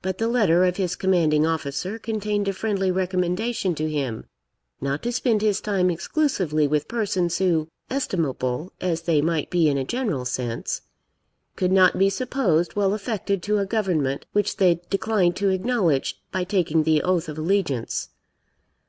But the letter of his commanding officer contained a friendly recommendation to him not to spend his time exclusively with persons who, estimable as they might be in a general sense, could not be supposed well affected to a government which they declined to acknowledge by taking the oath of allegiance.